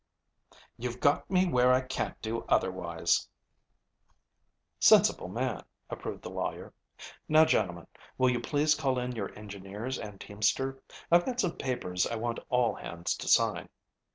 "You've got me where I can't do otherwise." "Sensible man," approved the lawyer. "Now, gentlemen, will you please call in your engineers and teamster? I've got some papers I want all hands to sign."